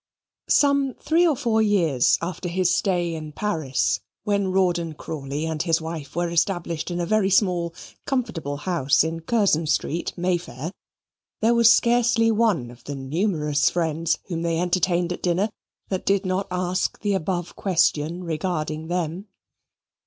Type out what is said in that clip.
Some three or four years after his stay in Paris, when Rawdon Crawley and his wife were established in a very small comfortable house in Curzon Street, May Fair, there was scarcely one of the numerous friends whom they entertained at dinner that did not ask the above question regarding them.